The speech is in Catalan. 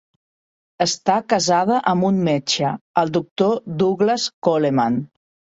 Està casada amb un metge, el doctor Douglas Coleman.